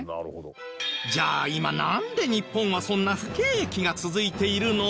じゃあ今なんで日本はそんな不景気が続いているの？